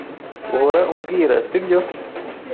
Uhora umbwira, sibyo?